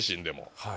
はい。